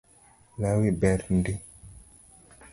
Lawi ber ndi